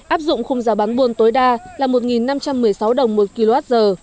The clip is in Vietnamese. áp dụng khung giá bán buôn tối đa là một năm trăm một mươi sáu đồng một kwh